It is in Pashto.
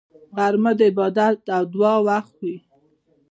غرمه د عبادت او دعا وخت وي